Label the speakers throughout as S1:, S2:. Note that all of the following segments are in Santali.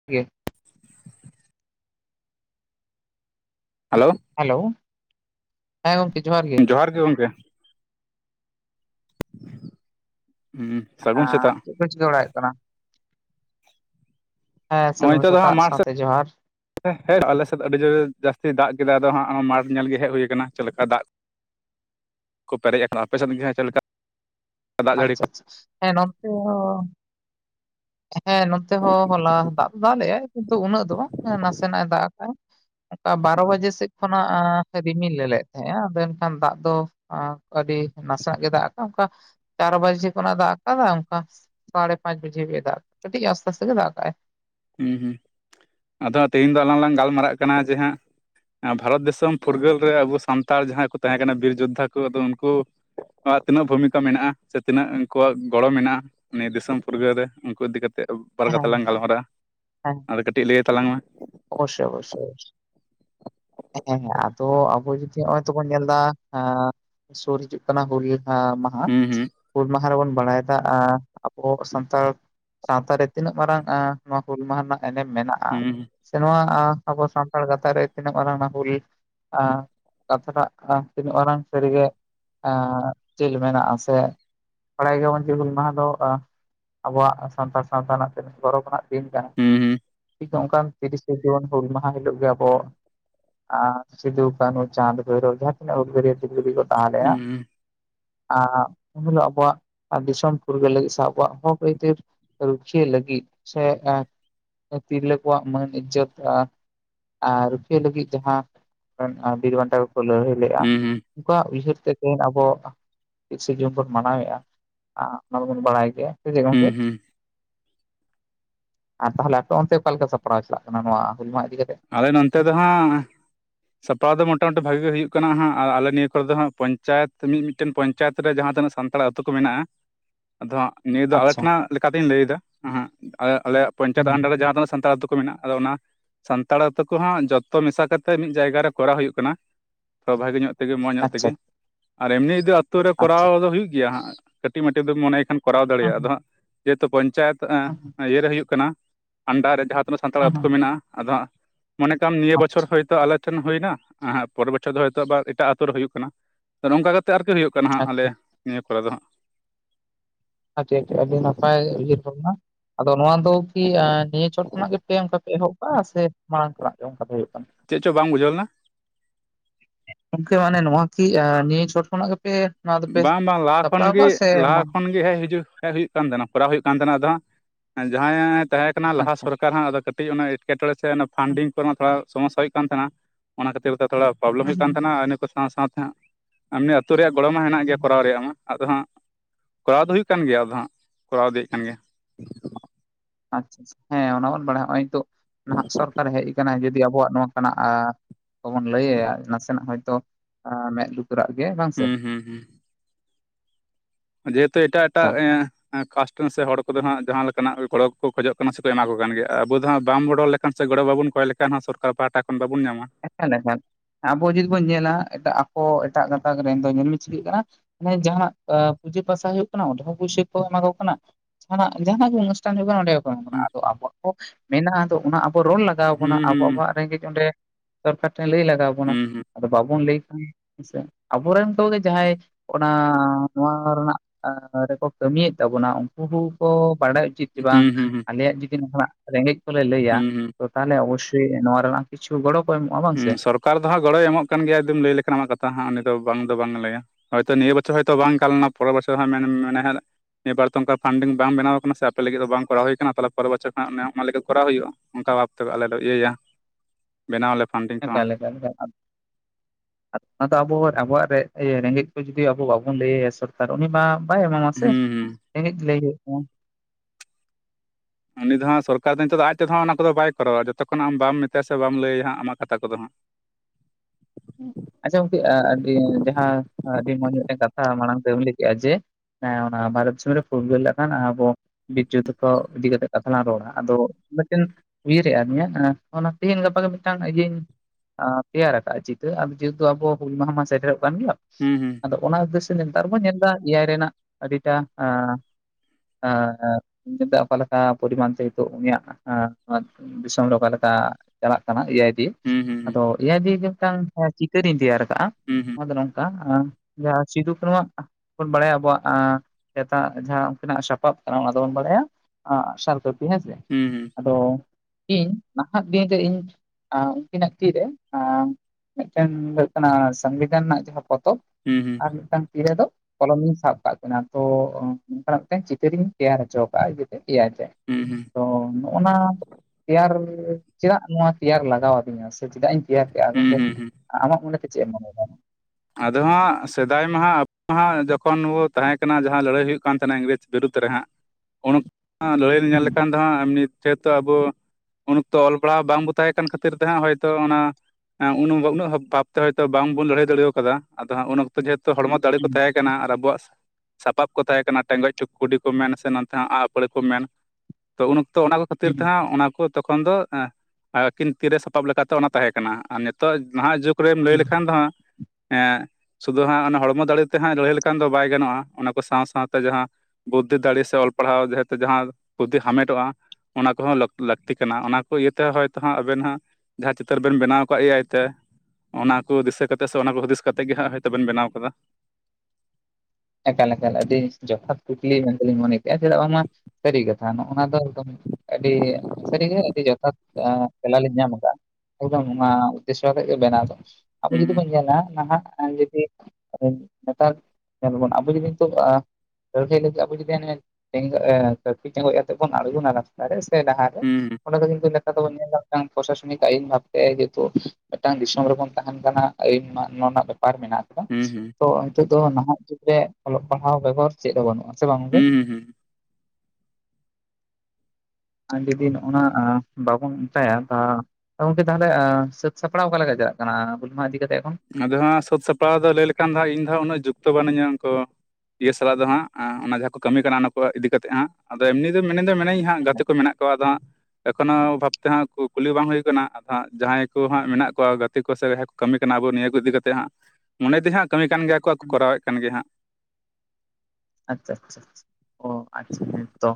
S1: [unintelligible]
S2: ᱦᱮᱞᱳ
S1: ᱦᱮᱞᱳ ᱦᱮᱸ ᱜᱚᱢᱠᱮ ᱡᱚᱦᱟᱨ ᱜᱮ
S2: ᱡᱚᱦᱟᱨ ᱜᱮ ᱜᱚᱢᱠᱮ ᱥᱟᱹᱜᱩᱱ
S1: ᱦᱮᱸ
S2: ᱥᱮᱛᱟᱜ
S1: ᱪᱮᱫ ᱠᱚ ᱪᱤᱠᱟᱹ ᱵᱟᱲᱟᱭᱮᱫ ᱠᱟᱱᱟ? ᱦᱮᱸ ᱥᱟᱹᱜᱩᱱ ᱥᱮᱛᱟᱜ ᱥᱟᱶᱛᱮ ᱡᱚᱦᱟᱨ᱾
S2: ᱦᱮᱸ ᱟᱞᱮᱥᱮᱫ ᱟᱹᱰᱤ ᱡᱳᱨ ᱡᱟᱹᱥᱛᱤ ᱫᱟᱜ ᱠᱮᱫᱟᱭ ᱟᱫᱚ ᱦᱟᱸᱜ ᱚᱱᱟ ᱢᱟᱴᱷ ᱧᱮᱞ ᱜᱮ ᱦᱮᱡ ᱦᱩᱭ ᱟᱠᱟᱱᱟ ᱪᱮᱫ ᱞᱮᱠᱟ ᱫᱟᱜ
S1: [inaudible]
S2: ᱠᱚ ᱯᱮᱨᱮᱡ ᱟᱠᱟᱱᱟ ᱟᱯᱮ ᱥᱮᱫ ᱜᱮ ᱡᱟᱦᱟᱸ ᱪᱮᱫ ᱞᱮᱠᱟ? ᱫᱟᱜ ᱡᱟᱹᱲᱤ
S1: ᱟᱪᱪᱷᱟ
S2: ᱠᱚ
S1: ᱟᱪᱪᱷᱟ ᱦᱮᱸ ᱱᱚᱛᱮ ᱦᱮᱸ ᱱᱚᱛᱮ ᱦᱚᱸ ᱦᱚᱞᱟ ᱫᱟᱜ ᱵᱟᱲᱟ ᱞᱮᱜ ᱟᱭ ᱠᱤᱱᱛᱩ ᱩᱱᱟᱹᱜ ᱫᱚ ᱵᱟᱝ ᱱᱟᱥᱮᱱᱟᱜᱼ ᱮ ᱫᱟᱜ ᱟᱠᱟᱜᱼᱟ ᱚᱱᱠᱟ ᱵᱟᱨᱚ ᱵᱟᱡᱮ ᱥᱮᱫ ᱠᱷᱚᱱᱟᱜ ᱨᱤᱢᱤᱞ ᱞᱮ ᱞᱮᱫ ᱛᱟᱦᱮᱸᱜᱼᱟ, ᱟᱫᱚ ᱮᱱᱠᱷᱟᱱ ᱫᱟᱜ ᱫᱚ ᱟᱸ ᱟᱹᱰᱤ ᱱᱟᱥᱮᱱᱟᱜ ᱜᱮ ᱫᱟᱜ ᱟᱠᱟ ᱚᱱᱠᱟ ᱪᱟᱨ ᱵᱟᱡᱮ ᱠᱷᱚᱱᱟᱜ ᱫᱟᱜ ᱟᱠᱟᱫᱟ ᱚᱱᱠᱟ ᱥᱟᱲᱮ ᱯᱟᱸᱪ ᱵᱟᱡᱮ ᱦᱟᱹᱵᱤᱡ ᱮ ᱫᱟᱜ ᱟᱜ ᱠᱟᱹᱴᱤᱡ ᱟᱥᱛᱮ ᱟᱥᱛᱮ ᱜᱮ ᱫᱟᱜ ᱠᱟᱜᱼ ᱟᱭ᱾
S2: ᱦᱩᱸ ᱦᱩᱸ ᱟᱫᱚ ᱛᱮᱦᱤᱧ ᱫᱚ ᱟᱞᱟᱝ ᱞᱟᱝ ᱜᱟᱞᱢᱟᱨᱟᱜ ᱠᱟᱱᱟ ᱡᱮ ᱦᱟᱸᱜ ᱵᱷᱟᱨᱚᱛ ᱫᱤᱥᱚᱢ ᱯᱷᱩᱨᱜᱟᱹᱞ ᱨᱮ ᱟᱵᱚ ᱥᱟᱱᱛᱟᱲ ᱡᱟᱦᱟᱸᱭ ᱠᱚ ᱛᱟᱦᱮᱸ ᱠᱟᱱᱟ ᱵᱤᱨ ᱡᱳᱫᱽᱫᱷᱟ ᱠᱚ ᱟᱫᱚ ᱩᱱᱠᱩ ᱟᱨ ᱛᱤᱱᱟᱹᱜ ᱵᱷᱩᱢᱤᱠᱟ ᱢᱮᱱᱟᱜᱼᱟ ᱥᱮ ᱛᱤᱱᱟᱹᱜ ᱩᱱᱠᱩᱣᱟᱜ ᱜᱚᱲᱚ ᱢᱮᱱᱟᱜᱼᱟ ᱱᱤᱭᱟᱹ ᱫᱤᱥᱚᱢ ᱯᱷᱩᱨᱜᱟᱹᱞ ᱨᱮ ᱩᱱᱠᱩ ᱤᱫᱤ ᱠᱟᱛᱮᱜ
S1: ᱦᱮᱸ ᱦᱮᱸ
S2: ᱟᱨ ᱠᱟᱹᱴᱤᱡ ᱞᱟᱹᱭ ᱟᱛᱟᱞᱟᱝ ᱢᱮ
S1: ᱚᱵᱚᱥᱥᱚᱭ ᱚᱵᱚᱥᱥᱚᱭ ᱚᱵᱚᱥᱥᱚᱭ ᱦᱮᱸ ᱦᱮᱸ ᱟᱫᱚ ᱟᱵᱚ ᱡᱩᱫᱤ ᱱᱚᱜ ᱚᱭ ᱛᱚᱵᱚᱱ ᱧᱮᱞ ᱫᱟ ᱥᱩᱨ ᱦᱤᱡᱩᱜ ᱠᱟᱱᱟ ᱦᱩᱞ ᱢᱟᱦᱟ
S2: ᱢᱮ ᱦᱩᱸ
S1: ᱦᱩᱞ ᱢᱟᱦᱟ ᱨᱮᱵᱚᱱ ᱵᱟᱲᱟᱭ ᱫᱟ ᱟ ᱟᱵᱚ ᱥᱟᱱᱛᱟᱲ ᱥᱟᱶᱛᱟᱨᱮ ᱛᱤᱱᱟᱹᱜ ᱢᱟᱨᱟᱝ ᱮᱸ ᱱᱚᱣᱟ ᱦᱩᱞ ᱢᱟᱦᱟ ᱨᱮᱱᱟᱜ ᱮᱱᱮᱢ ᱢᱮᱱᱟᱜᱼᱟ
S2: ᱦᱩᱸ
S1: ᱥᱮ ᱱᱚᱣᱟ ᱟᱸ ᱟᱵᱚ ᱥᱟᱱᱛᱟᱲ ᱜᱟᱶᱛᱟ ᱨᱮ ᱛᱤᱱᱟᱹᱜ ᱢᱟᱨᱟᱝ ᱦᱩᱞ ᱟᱨ ᱠᱟᱛᱷᱟᱴᱟᱜ ᱛᱤᱱᱟᱹᱜ ᱢᱟᱨᱟᱝ ᱥᱟᱹᱨᱤᱜᱮ ᱟᱸ ᱪᱤᱞ ᱢᱮᱱᱟᱜ ᱟᱥᱮ ᱵᱟᱲᱟᱭ ᱜᱮᱭᱟᱵᱚᱱ ᱡᱮ ᱦᱩᱞ ᱢᱟᱦᱟ ᱫᱚ ᱟᱸ ᱟᱵᱚᱣᱟᱜ ᱥᱟᱱᱛᱟᱲ ᱥᱟᱶᱛᱟ ᱨᱮᱱᱟᱜ ᱛᱤᱱᱟᱹᱜ ᱜᱚᱨᱚᱵᱽ ᱟᱱᱟᱜ ᱫᱤᱱ ᱠᱟᱱᱟ,
S2: ᱦᱩᱸ ᱦᱩᱸ
S1: ᱴᱷᱤᱠ ᱚᱱᱠᱟᱱ ᱛᱤᱨᱤᱥᱮ ᱡᱩᱱ ᱦᱩᱞ ᱢᱟᱦᱟ ᱦᱤᱞᱳᱜ ᱜᱮ ᱟᱵᱚ ᱟᱨ ᱥᱤᱫᱩ, ᱠᱟᱹᱱᱩ, ᱪᱟᱸᱫᱽ, ᱵᱷᱳᱭᱨᱚᱵᱽ ᱡᱟᱦᱟᱸ ᱛᱤᱱᱟᱹᱜ ᱦᱩᱞᱜᱟᱹᱨᱤᱭᱟᱹ [unintelligible] ᱠᱚ ᱛᱟᱦᱮᱞᱮᱜᱼᱟ
S2: ᱦᱩᱸ ᱦᱩᱸ
S1: ᱟᱨ ᱮᱱᱦᱤᱞᱳᱜ ᱟᱵᱚᱣᱟᱜ ᱫᱤᱥᱚᱢ ᱯᱷᱩᱨᱜᱟᱹᱞ ᱞᱟᱹᱜᱤᱫ ᱥᱮ ᱟᱵᱚᱣᱟᱜ ᱦᱚᱠ ᱟᱹᱭᱫᱟᱹᱨ ᱨᱩᱠᱷᱤᱭᱟᱹ ᱞᱟᱹᱜᱤᱫ ᱥᱮ ᱮᱸᱜ ᱛᱤᱨᱞᱟᱹ ᱠᱚᱣᱟᱜ ᱢᱟᱹᱱ ᱤᱡᱽᱡᱚᱛ ᱟᱨ ᱨᱩᱠᱷᱤᱭᱟᱹ ᱞᱟᱹᱜᱤᱫ ᱡᱟᱦᱟᱸ ᱵᱤᱨ ᱵᱟᱱᱴᱟ ᱞᱟᱹᱲᱦᱟᱹᱭ ᱞᱮᱜᱼᱟ
S2: ᱦᱩᱸ ᱦᱩᱸ ᱦᱩᱸ ᱦᱩᱸ
S1: ᱩᱱᱠᱩ ᱟᱜ ᱩᱭᱦᱟᱹᱨ ᱛᱮ ᱛᱮᱜᱮ ᱟᱵᱚ ᱛᱤᱨᱤᱥᱮ ᱡᱩᱱ ᱵᱚᱱ ᱢᱟᱱᱟᱣ ᱮᱜᱼᱟ, ᱚᱱᱟ ᱫᱚᱵᱚᱱ ᱵᱟᱲᱟᱭ ᱜᱮᱭᱟ ᱥᱮ ᱪᱮᱫ ᱜᱚᱢᱠᱮ?
S2: ᱦᱩᱸ ᱦᱩᱸ
S1: ᱟᱨ ᱛᱟᱦᱚᱞᱮ ᱟᱯᱮ ᱚᱱᱛᱮ ᱚᱠᱟᱞᱮᱠᱟ ᱥᱟᱯᱲᱟᱣ ᱪᱟᱞᱟᱜ ᱠᱟᱱᱟ ᱱᱚᱣᱟ ᱦᱩᱞ ᱢᱟᱦᱟ ᱤᱫᱤ ᱠᱟᱛᱮᱜ?
S2: ᱟᱞᱮ ᱱᱚᱱᱛᱮ ᱫᱚ ᱦᱟᱸᱜ ᱥᱟᱯᱲᱟᱣ ᱫᱚ ᱢᱚᱴᱟᱢᱩᱴᱤ ᱵᱷᱟᱜᱤ ᱜᱮ ᱦᱩᱭᱩᱜ ᱠᱟᱱᱟ ᱦᱟᱸᱜ ᱟᱨ ᱟᱞᱮ ᱱᱤᱭᱟᱹ ᱠᱚᱨᱮ ᱫᱚ ᱦᱟᱸᱟᱜ ᱯᱚᱧᱪᱟᱭᱮᱛ ᱢᱤ ᱢᱤᱫ ᱢᱤᱫᱴᱮᱱ ᱯᱚᱧᱪᱟᱭᱮᱛ ᱨᱮ ᱡᱟᱦᱟᱸ ᱛᱤᱱᱟᱹᱜ ᱥᱟᱱᱛᱟᱲ ᱟᱹᱛᱩ ᱠᱚ ᱢᱮᱱᱟᱜᱼᱟ
S1: [inaudible]
S2: ᱟᱫᱚ ᱦᱟᱸᱜ ᱱᱤᱭᱟᱹ ᱫᱚ ᱟᱞᱮ
S1: ᱟᱪᱪᱷᱟ
S2: ᱴᱷᱮᱱᱟᱜ ᱞᱮᱠᱟᱛᱤᱧ ᱞᱟᱹᱭ ᱮᱫᱟ ᱦᱟᱸᱜ ᱟᱞᱮ ᱟᱞᱮᱭᱟᱜ ᱯᱚᱧᱪᱟᱭᱮᱛ
S1: ᱦᱩᱸ
S2: ᱟᱱᱰᱟᱨ ᱨᱮ ᱡᱟᱦᱟᱸ ᱛᱤᱱᱟᱹᱜ ᱥᱟᱱᱛᱟᱲ ᱟᱹᱛᱩ ᱠᱚ ᱢᱮᱱᱟᱜ ᱟᱫᱚ ᱚᱱᱟ ᱥᱟᱱᱛᱟᱲ ᱟᱹᱛᱩ ᱠᱚ ᱦᱟᱸᱜ ᱡᱚᱛᱛᱚ ᱢᱮᱥᱟ ᱠᱟᱛᱮ ᱢᱤᱫ ᱡᱟᱭᱜᱟ ᱨᱮ ᱠᱚᱨᱟᱣ ᱦᱩᱭᱩᱜ ᱠᱟᱱᱟ᱾ ᱛᱚ ᱵᱷᱟᱜᱮ ᱧᱚᱜᱼᱼ ᱛᱮᱜᱮ ᱢᱚᱸᱡᱽ ᱧᱚᱜ
S1: ᱟᱪᱪᱷᱟ
S2: ᱛᱮᱜᱮ ᱟᱨ ᱮᱢᱱᱤ ᱫᱚ ᱟᱛᱳ ᱨᱮ
S1: ᱟᱪᱪᱷᱟ
S2: ᱠᱚᱨᱟᱣ ᱫᱚ ᱦᱩᱭᱩᱜ ᱜᱮᱭᱟ ᱦᱟᱸᱜ ᱠᱟᱹᱴᱤᱡ ᱢᱟᱹᱴᱤᱡ ᱫᱚᱢ ᱢᱚᱱᱮᱭ ᱠᱷᱟᱱ, ᱼᱼ ᱠᱚᱨᱟᱣ ᱫᱟᱲᱮᱭᱟᱜ-ᱟ ᱟᱫᱚ
S1: ᱦᱩᱸ
S2: ᱦᱟᱸᱜ ᱡᱮᱦᱮᱛᱩ ᱯᱚᱧᱪᱟᱭᱮᱛ
S1: ᱦᱩᱸ ᱦᱩᱸ
S2: ᱤᱭᱟᱹᱨᱮ ᱦᱩᱭᱩᱜ ᱠᱟᱱᱟᱼᱼ ᱟᱱᱰᱟᱨ ᱨᱮ ᱡᱟᱦᱟᱸ ᱛᱤᱱᱟᱹᱜ ᱥᱟᱱᱛᱟᱲ
S1: ᱦᱩᱸ ᱦᱩᱸ
S2: ᱟᱹᱛᱩ ᱠᱚ
S1: ᱦᱩᱸ
S2: ᱢᱮᱱᱟᱜ-ᱟ ᱟᱫᱚ ᱦᱟᱸᱜ ᱢᱚᱱᱮ ᱠᱟᱢ ᱱᱤᱭᱟᱹ ᱵᱚᱪᱷᱚᱨ
S1: ᱟᱪᱪᱷᱟ
S2: ᱦᱚᱭᱛᱚ ᱟᱞᱮᱼᱼ ᱴᱷᱮᱱ ᱦᱩᱭᱱᱟ ᱟᱸ ᱯᱚᱨᱮᱨ ᱵᱚᱪᱷᱚᱨ ᱫᱚ ᱦᱚᱭᱛᱚ ᱟᱵᱟᱨ ᱮᱴᱟᱜ ᱟᱛᱳ ᱨᱮ ᱦᱩᱭᱩᱜ ᱠᱟᱱᱟ ᱛᱚ ᱱᱚᱝᱠᱟ ᱠᱟᱛᱮ ᱟᱨᱠᱤ ᱦᱩᱭᱩᱜ, ᱼᱼ ᱠᱟᱱᱠᱟ ᱦᱟᱜ
S1: ᱟᱪᱪᱷᱟ
S2: ᱟᱞᱮ ᱱᱤᱭᱟᱹ ᱯᱚᱨᱮ ᱫᱚ ᱦᱟᱹᱜ᱾
S1: ᱟᱪᱪᱷᱟ ᱟᱪᱪᱷᱟ ᱟᱹᱰᱤ ᱱᱟᱯᱟᱭ ᱩᱭᱦᱟᱹᱨ ᱵᱷᱟᱵᱽᱱᱟ᱾ ᱟᱫᱚ ᱱᱚᱣᱟ ᱫᱚ ᱠᱤ ᱟᱸ ᱱᱤᱭᱟᱹ ᱪᱷᱚᱴ ᱠᱷᱚᱱᱟᱜ ᱜᱮ ᱯᱮ ᱮᱦᱚᱵ ᱠᱟᱜ-ᱟ, ᱥᱮ ᱢᱟᱲᱟᱝ ᱠᱷᱚᱱᱟᱜ ᱜᱮ ᱚᱱᱠᱟ ᱦᱩᱭᱩᱜ ᱠᱟᱱᱟ?
S2: ᱪᱮᱫ ᱪᱚ ᱵᱟᱝ ᱵᱩᱡᱷᱟᱹᱣ ᱞᱮᱱᱟ!
S1: ᱜᱚᱢᱠᱮ ᱢᱟᱱᱮ ᱱᱚᱣᱟ ᱠᱤ ᱱᱤᱭᱟᱹ ᱪᱷᱚᱴ ᱠᱷᱚᱱᱟᱜ ᱜᱮᱯᱮᱼᱼ
S2: ᱵᱟᱝ ᱵᱟᱝ ᱞᱟᱦᱟ ᱠᱷᱚᱱ ᱜᱤ ᱞᱟᱦᱟ ᱠᱷᱚᱱᱼᱼ ᱜᱮ ᱦᱟᱸᱜ ᱦᱤᱡᱩᱜ ᱦᱮᱡ ᱦᱩᱭᱩᱜ ᱠᱟᱱ ᱛᱟᱦᱮᱸᱱᱟ ᱠᱚᱨᱟᱣ ᱦᱩᱭᱩᱜ ᱠᱟᱱ ᱛᱟᱦᱮᱸᱱᱟ, ᱟᱫᱚ ᱦᱟᱸᱜ ᱡᱟᱦᱟᱸᱭ ᱛᱟᱦᱮᱸᱼᱼ ᱠᱟᱱᱟ ᱞᱟᱦᱟ
S1: ᱟᱪᱪᱷᱟ
S2: ᱥᱚᱨᱠᱟᱨ ᱦᱟᱸᱜ ᱟᱫᱚ ᱠᱟᱹᱴᱤᱡ ᱚᱱᱟ ᱮᱴᱠᱮᱴᱚᱬᱮ ᱥᱮ ᱚᱱᱟ
S1: ᱦᱩᱸ
S2: ᱯᱷᱟᱱᱰᱤᱝ ᱠᱚᱨᱮ [unintelligible] ᱥᱚᱢᱚᱥᱥᱟ ᱦᱩᱭᱩᱜ ᱠᱟᱱ ᱛᱟᱦᱮᱸᱱᱟ ᱚᱱᱟ ᱠᱷᱟᱹᱛᱤᱨ ᱛᱮ ᱛᱷᱚᱲᱟ ᱯᱨᱚᱵᱵᱞᱮᱢ
S1: ᱦᱩᱸ
S2: ᱦᱩᱭᱩᱜ ᱠᱟᱱ
S1: ᱦᱩᱸ
S2: ᱛᱟᱦᱮᱸᱱᱟ ᱟᱨ ᱤᱱᱟᱹᱼᱼ ᱥᱟᱸᱣ ᱥᱟᱸᱣᱛᱮ ᱦᱟᱸᱜ ᱮᱢᱱᱤ ᱟᱹᱛᱩ ᱨᱮᱭᱟᱜ ᱜᱚᱲᱚ ᱢᱟ ᱦᱮᱱᱟᱜ ᱜᱮᱭᱟ
S1: ᱦᱩᱸ
S2: ᱠᱚᱨᱟᱣ ᱨᱮᱭᱟᱜ ᱢᱟ᱾ ᱟᱫᱚ ᱦᱟᱸᱜ ᱠᱚᱨᱟᱣ ᱫᱚ ᱦᱩᱭᱩᱜ ᱠᱟᱱ ᱜᱮᱭᱟ ᱟᱫᱚ ᱦᱟᱸᱜ ᱠᱚᱨᱟᱣ ᱤᱫᱤᱭᱮᱜ ᱠᱟᱱ ᱜᱮᱭᱟᱢ᱾
S1: ᱟᱪᱪᱷᱟ ᱟᱪᱪᱷᱟ ᱦᱮᱸ ᱚᱱᱟ ᱵᱚᱱ ᱵᱟᱲᱟᱭᱟ ᱱᱚᱜ-ᱚᱭ ᱱᱤᱛᱳᱜ ᱱᱷᱟᱜ ᱥᱚᱨᱠᱟᱨᱮ ᱦᱮᱡᱼᱼ ᱠᱟᱱᱟ ᱡᱩᱫᱤ ᱟᱵᱚᱣᱟᱜ ᱱᱚᱝᱠᱟᱱᱟᱜ ᱟᱸ ᱠᱚᱵᱚᱱ ᱞᱟᱹᱭᱟ ᱟᱭᱟ ᱱᱟᱥᱮᱱᱟᱜ ᱦᱚᱭᱛᱳ ᱮᱸ ᱢᱮᱸᱫ ᱞᱩ ᱨᱟᱜ ᱜᱮ ᱵᱟᱝ ᱥᱮ᱾
S2: ᱦᱩᱸ ᱦᱩᱸ ᱦᱩᱸ ᱡᱮᱦᱮᱛᱩ ᱮᱴᱟᱜ
S1: ᱟᱪᱪᱷᱟ
S2: ᱮᱴᱟᱜ ᱮᱸ ᱮᱸ ᱠᱟᱥᱴ ᱥᱮ ᱦᱚᱲ ᱠᱚᱫᱚ ᱦᱟᱸᱜ ᱡᱟᱦᱟᱸ ᱞᱮᱠᱟᱱᱟᱜ ᱜᱚᱲᱚ ᱠᱚᱠᱚ ᱠᱷᱚᱡᱚᱜ ᱠᱟᱱᱟ ᱥᱮ ᱠᱚ ᱮᱢᱟ ᱠᱚ ᱠᱟᱱ ᱜᱮᱭᱟ, ᱟᱵᱚ ᱫᱚ ᱦᱟᱸ ᱵᱟ ᱵᱟᱝ ᱵᱚᱲᱚ ᱞᱮᱠᱷ ᱠᱷᱟᱱ ᱥᱮ ᱜᱚᱲᱚ ᱵᱟᱵᱚᱱ ᱠᱚᱭ ᱞᱮᱠᱷᱟᱱ ᱦᱚᱸ ᱥᱚᱨᱠᱟᱨ ᱯᱟᱦᱴᱟ ᱠᱷᱚᱱ ᱵᱟᱵᱚᱱ ᱧᱟᱢᱟ᱾
S1: ᱮᱠᱷᱟᱞ ᱮᱠᱷᱟᱞ, ᱟᱵᱚ ᱡᱩᱫᱤ ᱵᱚᱱ ᱧᱮᱞᱟ ᱮᱴᱟᱜ ᱟᱠᱚ ᱮᱴᱟᱜ ᱜᱟᱸᱛᱟᱠ ᱨᱮᱱ ᱫᱚ ᱧᱮᱞ ᱢᱮ ᱪᱤᱠᱟᱹᱜ ᱠᱟᱱᱟ ᱢᱟᱱᱮ ᱡᱟᱦᱟᱸ ᱮᱸ ᱯᱩᱡᱟᱹ ᱯᱟᱥᱟ ᱦᱩᱭᱩᱜ ᱠᱟᱱᱟ ᱚᱸᱰᱮ ᱦᱚᱸ ᱯᱩᱭᱥᱟᱹ ᱠᱚ ᱮᱢᱟ ᱠᱚ ᱠᱟᱱᱟ᱾ ᱡᱟᱦᱟᱱᱟᱜ ᱡᱟᱦᱟᱱᱟᱜ ᱚᱱᱥᱴᱟᱱ ᱦᱩᱭᱩᱜ ᱠᱟᱱᱟ ᱚᱸᱰᱮ [unintelligible]
S2: ᱦᱩᱸ
S1: ᱟᱫᱚ ᱟᱵᱚᱣᱟᱜ ᱢᱮᱱᱟᱜᱼᱟ ᱟᱫᱚ ᱚᱱᱟ ᱟᱵᱚ ᱨᱚᱲ ᱞᱟᱜᱟᱣ ᱵᱚᱱᱟ ᱟᱵᱚ
S2: ᱦᱩᱸ
S1: ᱟᱵᱚᱣᱟᱜ ᱨᱮᱸᱜᱮᱡ ᱚᱸᱰᱮᱼᱼ ᱥᱚᱨᱠᱟᱨ ᱴᱷᱮᱱ ᱞᱟᱹᱭ ᱞᱟᱜᱟᱣ ᱵᱚᱱᱟ
S2: ᱦᱩᱸ
S1: ᱟᱫᱚ ᱵᱟᱵᱚᱱ ᱞᱟᱹᱭ ᱠᱷᱟᱱ ᱦᱮᱸ ᱥᱮ ᱟᱵᱚ ᱨᱮᱱ ᱠᱚ ᱜᱮ ᱡᱟᱦᱟᱸᱭᱼᱼ ᱚᱱᱟ ᱱᱚᱣᱟ ᱨᱮᱱᱟᱜ ᱨᱮ ᱠᱚ ᱠᱟᱹᱢᱤᱭ ᱮᱫ ᱛᱟᱵᱚᱱᱟ ᱩᱱᱠᱩ ᱦᱚᱸ ᱠᱚ ᱵᱟᱰᱟᱭᱼᱼ ᱪᱮᱫ ᱜᱮ ᱵᱟᱝ
S2: ᱦᱩᱸ ᱦᱩᱸ ᱦᱩᱸ
S1: ᱟᱞᱮᱭᱟᱜ ᱡᱩᱫᱤ ᱱᱟᱝᱠᱟᱱᱟᱜ ᱨᱮᱸᱜᱮᱡ ᱠᱚᱞᱮ ᱞᱟᱹᱭᱟ
S2: ᱦᱩᱸ ᱦᱩᱸ
S1: ᱛᱚ ᱛᱟᱦᱚᱞᱮ ᱚᱵᱚᱥᱥᱳᱭ ᱱᱚᱣᱟ ᱨᱮᱱᱟᱜ ᱠᱤᱪᱷᱩ ᱜᱚᱲᱚ ᱠᱚ ᱮᱢᱚᱜᱼᱟ ᱵᱟᱝ ᱥᱮ,
S2: ᱦᱩᱸ ᱥᱚᱨᱠᱟᱨ ᱫᱚ ᱦᱟᱜ ᱜᱚᱲᱚᱭ ᱮᱢᱚᱜ ᱠᱟᱱ ᱜᱮᱭᱟ ᱮᱠᱫᱚᱢ ᱡᱩᱫᱤᱢ ᱞᱟᱹᱭ ᱞᱮᱠᱷᱟᱱ ᱟᱢ ᱠᱟᱛᱷᱟ ᱦᱟᱜ ᱱᱤᱛᱳ ᱵᱟᱝ ᱫᱚ ᱵᱟᱝ ᱞᱟ. ᱭᱟ ᱦᱚᱭᱛᱚ ᱱᱤᱭᱟᱹ ᱵᱚ ᱪᱷᱚ ᱦᱚᱭᱛᱳ ᱵᱟᱝ ᱜᱟᱱ ᱞᱮᱱᱟ ᱯᱚᱨᱮᱵᱚᱪᱷᱚᱨ ᱦᱚᱸ ᱢᱮ [unintelligible] ᱱᱤᱭᱟᱹᱵᱟᱨ ᱛᱚ ᱚᱱᱠᱟ ᱯᱷᱟᱱᱰᱤᱝ ᱵᱟᱝ ᱵᱮᱱᱟᱣ ᱟᱠᱟᱱᱟ ᱥᱮ ᱟᱯᱮ ᱞᱟᱹᱜᱤᱫ ᱫᱚ ᱵᱟᱝ ᱠᱚᱨᱟᱣ ᱦᱩᱭᱩᱜ ᱟᱠᱟᱱᱟ ᱛᱟᱦᱚᱞᱮ ᱯᱚᱨᱮᱨ ᱵᱚᱪᱷᱚᱨ ᱠᱷᱟᱱ ᱚᱱᱟ ᱞᱟᱹᱜᱤᱫ ᱠᱚᱨᱟᱣ ᱦᱩᱭᱩᱜᱼᱟ ᱚᱱᱠᱟ᱾ ᱛᱚᱵᱮ ᱟᱞᱮ ᱫᱚ ᱤᱭᱟᱹᱭᱟ ᱵᱮᱱᱟᱣᱞᱮ
S1: [unintelligible] ᱚᱱᱟ ᱫᱚ ᱟᱵᱚ ᱟᱵᱚᱣᱟᱜ ᱨᱮᱸᱜᱮᱡ ᱠᱚ ᱡᱩᱫᱤ ᱟᱵᱚ ᱵᱟᱵᱚᱱ ᱞᱟᱹᱭᱟᱭᱟ ᱥᱚᱨᱠᱟᱨ ᱩᱱᱤ ᱢᱟ ᱵᱟᱭ ᱮᱢᱟ ᱢᱟ ᱥᱮ
S2: ᱦᱩᱸ ᱦᱩᱸ
S1: ᱨᱮᱸᱜᱮᱡ ᱞᱟᱹᱭ ᱦᱩᱭᱩᱜ ᱛᱟᱢᱟ᱾
S2: ᱩᱱᱤ ᱫᱚ ᱦᱟᱸᱜ ᱥᱚᱨᱠᱟᱨ ᱫᱚ ᱱᱤᱛᱚᱜ ᱫᱚ ᱟᱡ ᱛᱮ ᱫᱚ ᱚᱱᱟ ᱠᱚ ᱫᱚ ᱵᱟᱭ ᱠᱚᱨᱟᱣᱟ ᱡᱚᱛᱚ ᱠᱷᱚᱱ ᱟᱢ ᱵᱟᱢ ᱢᱮᱛᱟᱭᱟ ᱥᱮ ᱵᱟᱢ ᱞᱟᱹᱭᱟ ᱦᱟᱸᱜ ᱟᱢᱟᱜ ᱠᱟᱛᱷᱟ ᱠᱚ ᱫᱚ ᱦᱟᱸᱜᱼᱼ
S1: ᱟᱪᱪᱷᱟ ᱜᱚᱝᱠᱮ ᱟᱹᱰᱤ ᱡᱟᱦᱟᱸ ᱟᱹᱰᱤ ᱢᱚᱸᱡᱽ ᱢᱤᱫᱴᱮᱱ ᱠᱟᱛᱷᱟ ᱢᱟᱲᱟᱝ ᱛᱮᱢ ᱞᱟᱹᱭ ᱠᱮᱫᱼᱟ ᱡᱮ, ᱦᱮᱸ ᱚᱱᱟ ᱵᱷᱟᱨᱚᱛ ᱫᱤᱥᱚᱢ ᱨᱮ ᱯᱷᱩᱨᱜᱟᱹᱞ ᱞᱮᱠᱷᱟᱱ ᱟᱵᱚ ᱵᱤᱨᱡᱷᱳᱫᱷᱟ ᱠᱚ ᱤᱫᱤ ᱠᱟᱛᱮᱜ᱾ ᱠᱟᱛᱷᱟ ᱞᱟᱝ ᱨᱚᱲᱟ ᱟᱫᱚ ᱢᱤᱫᱴᱮᱱ ᱩᱭᱦᱟᱹᱨᱮᱜᱼᱟ ᱫᱤᱧᱟ [unintelligible] ᱛᱮᱦᱮᱧ ᱜᱟᱯᱟ ᱜᱮ ᱢᱤᱫᱴᱟᱝ ᱤᱭᱟᱹᱧᱼᱼ ᱟᱸ ᱛᱮᱭᱟᱨ ᱟᱠᱟᱫᱼᱟ ᱪᱤᱛᱟᱹᱛ ᱟ ᱡᱮᱦᱮᱛᱩ ᱟᱵᱚ ᱦᱩᱞ ᱢᱟᱦᱟ ᱢᱟ ᱥᱮᱴᱮᱨᱚᱜ ᱠᱟᱱ ᱜᱮᱭᱟ
S2: ᱦᱩᱸ ᱦᱩᱸ,
S1: ᱟᱫᱚ ᱚᱱᱟ ᱩᱫᱽᱫᱮᱥᱮ ᱱᱮᱛᱟᱨ ᱵᱚᱱ ᱧᱮᱞ ᱮᱫᱟ ᱮᱭᱟᱭ ᱨᱮᱱᱟᱜ ᱟᱹᱰᱤᱴᱟ ᱟᱸ ᱟᱸ ᱱᱤᱛᱚᱜ ᱚᱠᱟ ᱞᱮᱠᱟ ᱯᱚᱨᱤᱢᱟᱱᱛᱮ ᱦᱤᱛᱳᱜ ᱩᱱᱤᱭᱟᱜ ᱫᱤᱥᱚᱢ ᱨᱮ ᱚᱠᱟ ᱞᱮᱠᱟ ᱪᱟᱞᱟᱜ ᱠᱟᱱᱟ ᱮᱭᱟᱭᱼᱼ
S2: ᱦᱩᱸ ᱦᱩᱸ
S1: ᱟᱫᱚ ᱮᱟᱭ ᱫᱤᱭᱮ ᱢᱤᱫᱴᱟᱝ ᱪᱤᱛᱟᱹᱨᱤᱧ ᱛᱮᱭᱟᱨ ᱟᱠᱟᱜᱼᱟ᱾
S2: ᱦᱩᱸ ᱦᱩ,
S1: ᱚᱱᱟ ᱫᱚ ᱱᱚᱝᱠᱟ ᱡᱟᱦᱟᱸ ᱥᱤᱫᱩ ᱠᱟ. ᱱᱦᱩ ᱱᱩᱣᱟᱜᱼᱼ ᱵᱚᱱ ᱵᱟᱲᱟᱭᱟ ᱟᱵᱚᱣᱟᱜ ᱱᱮᱛᱟᱜ ᱡᱟᱦᱟᱸ ᱩᱱᱠᱤᱱᱟᱜ ᱥᱟᱯᱟᱵ ᱠᱟᱱᱟ ᱚᱱᱟ ᱫᱚᱵᱚᱱ ᱵᱟᱲᱟᱭᱟ, ᱟᱜ ᱥᱟᱨ ᱠᱟ. ᱯᱤ ᱦᱮᱸ ᱥᱮᱼᱼ
S2: ᱦᱩᱸ ᱦᱩᱸ᱾
S1: ᱟᱫᱚ ᱤᱧ ᱱᱟᱦᱟᱜ ᱫᱤᱱᱛᱮ ᱤᱧ ᱩᱱᱠᱤᱱᱟᱜ ᱛᱤᱨᱮ ᱟᱸ ᱢᱤᱫᱴᱮᱱ ᱦᱩᱭᱩᱜ ᱠᱟᱱᱟ ᱥᱚᱝᱵᱤᱫᱷᱟᱱ ᱨᱮᱱᱟᱜ ᱡᱟᱦᱟᱸ ᱯᱚᱛᱚᱵ ᱟᱨ
S2: ᱦᱩᱸ
S1: ᱢᱤᱫᱴᱟᱝ ᱛᱤᱨᱟᱹ ᱫᱚᱼᱼ ᱠᱚᱞᱚᱢ ᱤᱧ ᱥᱟᱵ ᱠᱟᱜ ᱠᱤᱱᱟ ᱛᱚ ᱱᱚᱝᱠᱟᱱᱟᱜ ᱢᱤᱫᱴᱮᱱ ᱪᱤᱛᱟᱹᱨᱤᱧ ᱛᱮᱭᱟᱨ ᱦᱚᱪᱚ ᱠᱟᱜᱼᱟ ᱤᱭᱟᱹ ᱛᱮ ᱮᱭᱟᱭ ᱛᱮ
S2: ᱦᱩᱸ ᱦᱩᱸ
S1: ᱛᱚ ᱱᱚᱜᱼ ᱱᱚᱭᱟ ᱛᱮᱭᱟᱨ ᱪᱮᱫᱟᱜ ᱱᱚᱣᱟ ᱛᱮᱭᱟᱨ ᱞᱟᱜᱟᱣ ᱟᱫᱤᱧᱟ? ᱥᱮ ᱪᱮᱫᱟᱜ ᱤᱧ ᱛᱮᱭᱟᱨ ᱠᱮᱜ-ᱟ
S2: ᱦᱩᱸ
S1: ᱜᱚᱢᱠᱮ
S2: ᱦᱩᱸ ᱦᱩᱸ
S1: ᱟᱢᱟᱜ ᱢᱚᱱᱮᱛᱮ ᱪᱮᱫ ᱮᱢ ᱢᱚᱱᱮᱭᱮᱫᱟ?
S2: ᱟᱫᱚ ᱦᱟᱸᱜ ᱥᱮᱫᱟᱭ ᱢᱟᱦᱟᱸᱜ [unintelligible] ᱢᱟᱦᱟᱸᱜ ᱡᱚᱠᱷᱚᱱ ᱵᱚᱱ ᱛᱟᱦᱮᱸ ᱠᱟᱱᱟ ᱡᱟᱦᱟᱸ ᱞᱟᱹᱲᱦᱟᱹᱭ ᱦᱩᱭᱩᱜ ᱠᱟᱱ ᱛᱟᱦᱮᱱᱟ ᱤᱝᱨᱮᱡᱽ ᱵᱤᱨᱩᱫᱽ ᱨᱮ ᱦᱟᱸᱜ᱾ ᱩᱱᱚᱠᱛᱚ ᱞᱟᱹᱲᱦᱟᱹᱭᱮᱢ ᱧᱮᱞ
S1: ᱦᱩᱸ
S2: ᱞᱮᱠᱷᱟᱱ ᱫᱚ ᱦᱟᱸᱜ ᱮᱢᱱᱤ ᱡᱮᱦᱮᱛᱩ ᱟᱵᱚᱼᱼ ᱩᱱᱠᱛᱚ ᱚᱞ ᱵᱟᱲᱦᱟᱣ ᱵᱟᱝᱵᱚᱱ ᱛᱟᱦᱮᱸ ᱠᱟᱱ ᱠᱷᱟᱹᱛᱤᱨ ᱛᱮ ᱦᱟᱸᱜ ᱦᱚᱭ ᱛᱚ ᱚᱱᱟᱼᱼ ᱦᱚᱸ ᱩᱱ ᱦᱚᱸ ᱩᱱᱟᱹᱜ ᱵᱷᱟᱛᱮ ᱦᱚᱭᱛᱚ ᱵᱟᱝᱵᱚᱱ ᱞᱟᱹᱲᱦᱟᱹᱭ ᱫᱟᱲᱮᱣᱟ ᱟᱠᱟᱫᱟ ᱟᱫᱚ ᱦᱟᱸᱜ ᱩᱱ ᱚᱠᱛᱚ ᱡᱮᱦᱮᱛᱩ ᱦᱚᱲᱢᱚ ᱫᱟᱲᱮ ᱠᱚ
S1: ᱦᱩᱸ
S2: ᱛᱟᱦᱮᱸ ᱼᱼ ᱠᱟᱱᱟ ᱟᱨ ᱟᱵᱚᱣᱟᱜ ᱥᱟᱯᱟᱵ ᱠᱚ ᱛᱟᱦᱮᱸ ᱠᱟᱱᱟ ᱴᱮᱸᱜᱚᱡ ᱴᱩ ᱠᱩᱰᱤ ᱠᱚ ᱢᱮᱱᱟ ᱥᱮ ᱱᱚᱛ ᱦᱚᱸᱜ ᱟᱸᱜᱼ ᱟᱸᱯᱟᱹᱲᱟᱹ ᱠᱚ ᱢᱮᱱ ᱛᱚ ᱩᱱ ᱚᱠᱛᱚ ᱚᱱᱟ ᱠᱚ ᱠᱷᱟᱹᱛᱤᱨ
S1: ᱦᱩᱸ
S2: ᱛᱮ ᱦᱟᱸᱜ ᱚᱱᱟ ᱠᱚᱼᱼ ᱛᱚᱠᱷᱚᱱ ᱫᱚ ᱟᱸᱜ ᱟᱹᱠᱤᱱ ᱛᱤᱨᱮ ᱥᱟᱯᱟᱵ ᱞᱮᱠᱟᱛᱮ ᱚᱱᱟ ᱛᱟᱦᱮᱸ ᱠᱟᱱᱟ ᱟᱨ ᱱᱤᱛᱚᱜ ᱱᱟᱦᱟᱜ ᱡᱩᱜᱽᱼᱼ ᱠᱩᱲᱟᱹᱭᱮᱢ
S1: ᱦᱩᱸ
S2: ᱞᱟᱹᱭ ᱞᱮᱠᱷᱟᱱ ᱫᱚ ᱦᱟᱸᱜ, ᱮᱸ ᱥᱩᱫᱩ ᱦᱟᱸᱜ ᱚᱱᱟ ᱦᱚᱲᱢᱚ ᱫᱟᱲᱮᱛᱮ ᱦᱟᱸᱜ ᱞᱟᱹᱲᱦᱟᱹᱭ ᱞᱮᱠᱷᱟᱱ ᱫᱚ ᱵᱟᱭ ᱜᱟᱱᱚᱜᱼᱟ ᱚᱱᱟ ᱠᱚ ᱥᱟᱶ ᱥᱟᱶᱛᱮ ᱡᱟᱦᱟᱸᱼᱼ ᱵᱩᱫᱷᱤ ᱫᱟᱲᱮ ᱥᱮ ᱚᱞ ᱯᱟᱲᱦᱟᱣ ᱡᱮᱦᱮᱛᱩ ᱡᱟᱦᱟᱸ ᱵᱩᱫᱷᱤ ᱦᱟᱢᱮᱴᱚᱜ- ᱟ, ᱚᱱᱟ ᱠᱚᱦᱚᱸ ᱞᱟᱹᱠᱛᱤ ᱠᱟᱱᱟ ᱚᱱᱟ ᱠᱚ ᱤᱭᱟᱹᱛᱮ ᱦᱚᱭ ᱛᱚ ᱦᱟᱸᱜ ᱟᱵᱮᱱ ᱦᱟᱸᱜᱼᱼ ᱡᱟᱦᱟᱸ ᱪᱤᱛᱟᱹᱨ ᱵᱮᱱ ᱵᱮᱱᱟᱣ ᱟᱠᱟᱜ-ᱟ ᱮ-ᱟᱭ ᱛᱮ ᱚᱱᱟ ᱠᱚ ᱫᱤᱥᱟᱹ ᱠᱟᱛᱮ ᱥᱮ ᱚᱱᱟ ᱠᱚ ᱦᱩᱫᱤᱥᱼᱼ ᱠᱟᱛᱮᱜ ᱜᱮ ᱦᱟᱸᱜ ᱦᱳᱭᱛᱚ ᱵᱤᱱ ᱵᱮᱱᱟᱣ ᱠᱟᱫᱟ᱾
S1: ᱮᱠᱟᱞ ᱮᱠᱟᱞ ᱟᱹᱰᱤ ᱡᱚᱛᱷᱟᱛ ᱠᱩᱠᱞᱤ ᱢᱮᱱᱛᱮ ᱞᱤᱧ ᱢᱚᱱᱮ ᱠᱮᱜ-ᱟ ᱪᱮᱫᱟᱜ ᱵᱟᱝ ᱢᱟ ᱥᱟᱹᱨᱤ ᱠᱟᱛᱷᱟ ᱱᱚᱜᱚᱼᱱᱚᱣᱟ ᱫᱚ ᱮᱠᱫᱚᱢᱼᱼ ᱟᱹᱰᱤ ᱥᱟᱹᱨᱤ ᱜᱮ ᱟᱹᱰᱤ ᱡᱚᱛᱷᱟᱛ ᱛᱮᱞᱟ ᱞᱤᱧ ᱧᱟᱢ ᱠᱟᱜ-ᱟ᱾ ᱟᱫᱚ ᱵᱟᱝ ᱚᱱᱟ ᱩᱫᱮᱥᱚ ᱟᱛᱮᱫ ᱫᱚ ᱵᱟᱝ ᱟᱫᱚ, ᱟᱵᱤᱱ ᱡᱩᱫᱤ
S2: ᱦᱩᱸ
S1: ᱵᱚᱱ ᱧᱮᱞᱟ ᱱᱟᱦᱟᱜ ᱡᱩᱫᱤ ᱱᱮᱛᱟᱨᱼᱼ ᱧᱮᱞ ᱵᱮᱱ ᱟᱵᱤᱱ ᱡᱮᱦᱟᱛᱩ ᱮᱸᱼᱼ ᱞᱟᱹᱲᱦᱟᱹᱭ ᱞᱟᱹᱜᱤᱫ ᱟᱵᱚ ᱡᱚᱫᱤ ᱦᱟᱱᱮ ᱴᱮᱸᱜᱚᱡ ᱠᱚᱛᱮᱜ ᱵᱚᱱ ᱟᱬᱜᱚᱱᱟ ᱨᱟᱥᱛᱟ ᱨᱮ ᱥᱮ ᱰᱟᱦᱟ ᱨᱮᱼᱼ
S2: ᱦᱩᱸ
S1: ᱚᱸᱰᱮ ᱫᱚ ᱠᱤᱱᱛᱩ ᱱᱮᱛᱟᱨ ᱫᱚ ᱵᱚᱱ ᱧᱮᱞ ᱧᱟᱢ ᱫᱟ ᱢᱤᱫᱴᱟᱝ ᱯᱨᱚᱥᱟ ᱥᱚᱱᱤᱠ ᱟᱹᱭᱤᱱ ᱵᱷᱟᱵ ᱛᱮ ᱡᱮᱦᱮ ᱛᱩ ᱢᱤᱫᱴᱟᱝ ᱫᱤᱥᱚᱢ ᱨᱮ ᱵᱚᱱ ᱛᱟᱦᱮᱸᱱ ᱠᱟᱱᱟ᱾ ᱟᱹᱭᱤᱱ ᱢᱟ-ᱱᱚᱣᱟ ᱨᱮᱱᱟᱜ ᱵᱮᱯᱟᱨ ᱢᱮᱱᱟᱜ ᱟᱠᱟᱫᱟ᱾
S2: ᱦᱩᱸ-ᱦᱩᱸ
S1: ᱛᱚ ᱱᱤᱛᱚᱜ ᱫᱚ ᱱᱟᱦᱟᱜ ᱡᱩᱜᱽ ᱨᱮ ᱚᱞᱚᱜ ᱯᱟᱲᱦᱟᱣ ᱵᱮᱜᱚᱨ ᱪᱮᱫ ᱦᱚ ᱵᱟᱹᱱᱩᱜ-ᱟ, ᱥᱮ ᱵᱟᱝ ᱜᱚᱝᱠᱮ?
S2: ᱦᱩᱸ ᱦᱩᱸ
S1: ᱟᱹᱰᱤᱫᱤᱱ ᱚᱱᱟ ᱮᱸ ᱵᱟᱵᱚᱱ [unintelligible] ᱦᱮᱸ ᱜᱚᱝᱠᱮ ᱛᱟᱦᱚᱞᱮ ᱥᱟᱹᱛ ᱥᱟᱯᱲᱟᱣ ᱚᱠᱟ ᱞᱮᱠᱟ ᱪᱟᱜ ᱠᱟᱱᱟ ᱦᱩᱞ ᱢᱟᱦᱟᱸ ᱤᱫᱤ ᱠᱟᱛᱮᱜ ᱮᱠᱷᱚᱱ?
S2: ᱟᱫᱚ ᱦᱟᱸᱜ ᱥᱟᱹᱛ ᱥᱟᱯᱲᱟᱣ ᱫᱚ ᱞᱟᱹᱭ ᱞᱮᱠᱷᱟᱱ ᱫᱚ ᱦᱟᱜ ᱤᱧ ᱫᱚ ᱦᱟᱸᱜ ᱩᱱᱟᱹᱜ ᱡᱩᱠᱛᱚ ᱵᱟᱹᱱᱩᱹᱧᱟ ᱛᱚᱼᱼ ᱤᱭᱟᱹ ᱥᱟᱞᱟᱜ ᱫᱚ ᱦᱟᱸᱜ ᱚᱱᱟ ᱡᱟᱦᱟᱸ ᱠᱚ ᱠᱟᱹᱢᱤ ᱠᱟᱱᱟ ᱚᱱᱟ ᱠᱚ ᱤᱫᱤ ᱠᱟᱛᱮᱜ ᱦᱟᱸᱜ ᱟᱫᱚ ᱮᱢᱱᱤ ᱫᱚ ᱢᱮᱱᱟᱹᱧ ᱫᱚ ᱢᱮᱱᱟᱹᱧᱼᱼ ᱦᱟᱸᱜ ᱜᱟᱛᱮ ᱠᱚ ᱢᱮᱱᱟᱜ ᱠᱚᱣᱟ ᱟᱫᱚ ᱦᱟᱸᱜᱼᱼ ᱮᱠᱷᱚᱱᱳ ᱵᱷᱟᱵ ᱛᱮ ᱦᱟᱸᱜ ᱠᱩᱞᱤ ᱵᱟᱝ ᱦᱩᱭ ᱠᱟᱱᱟ ᱟᱫᱚ ᱦᱟᱸᱜ ᱡᱟᱦᱟᱸᱭ ᱠᱚ ᱦᱟᱸᱜ ᱢᱮᱱᱟᱜ ᱠᱚᱣᱟ ᱜᱟᱛᱮ ᱠᱚ ᱥᱮ ᱡᱟᱦᱟᱸᱭ ᱠᱚ ᱠᱟᱹᱢᱤᱼᱼ ᱠᱟᱱᱟ ᱟᱵᱚ ᱱᱤᱭᱟᱹ ᱠᱚ ᱤᱫᱤ ᱠᱟᱛᱮ ᱦᱟᱸᱜ ᱢᱚᱱᱮ ᱫᱤᱧ ᱦᱟᱸᱜ ᱠᱟᱹᱢᱤ ᱠᱟᱱ ᱜᱮᱭᱟ ᱠᱚ ᱟᱨ ᱠᱚᱨᱟᱣᱮᱫ ᱠᱟᱱ ᱜᱮᱭᱟ ᱦᱟᱸᱜ᱾
S1: ᱟᱪᱪᱷᱟ-ᱟᱪᱪᱷᱟ-ᱟᱪᱪᱷᱟ ᱚ ᱟᱪᱪᱷᱟ ᱦᱮᱸ ᱛᱚ,